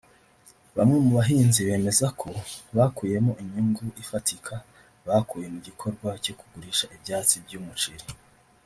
Bamwe mu bahinzi bemeza ko bakuyemo inyungu ifatika bakuye mu gikorwa cyo kugurisha ibyatsi by’umuceri